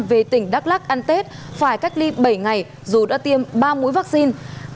về tỉnh đắk lắc ăn tết phải cách ly bảy ngày dù đã tiêm ba mũi vaccine